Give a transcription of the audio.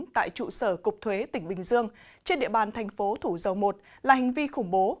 tại trụ sở cục thuế tỉnh bình dương trên địa bàn thành phố thủ dầu một là hành vi khủng bố